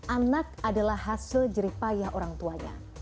anak adalah hasil jeripayah orang tuanya